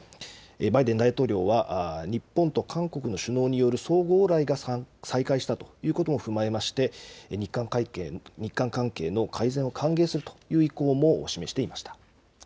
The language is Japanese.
バイデン大統領は日本と韓国の首脳による相互往来が再開したということも踏まえまして、日韓関係の改善を歓迎するという意向も示していました。